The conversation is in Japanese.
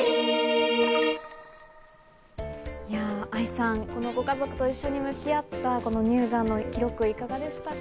愛さん、このご家族と一緒に向き合った乳がんの記録、いかがでしたか？